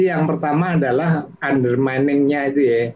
jadi yang pertama adalah undermining nya itu ya